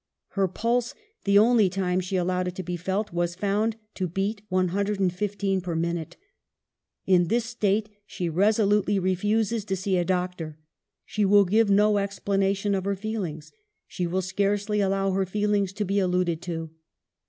Her pulse, the only time she allowed it to be felt, was found to beat 115 per minute. In this state she resolutely refuses to see a doc tor ; she will give no explanation of her feel ings ; she will scarcely allow her feelings to be alluded to."